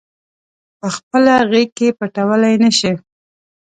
پخپله غیږ کې پټولای نه شي